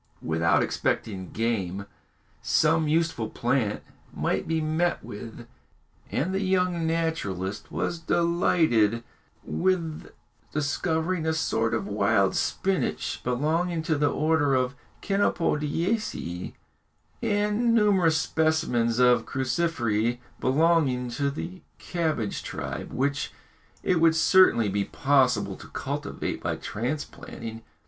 Without expecting game, some useful plant might be met with, and the young naturalist was delighted with discovering a sort of wild spinage, belonging to the order of chenopodiaceæ, and numerous specimens of cruciferæ, belonging to the cabbage tribe, which it would certainly be possible to cultivate by transplanting.